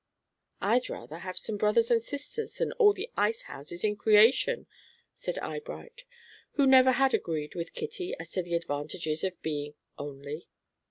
"I'd rather have some brothers and sisters than all the ice houses in creation," said Eyebright, who never had agreed with Kitty as to the advantages of being 'only.'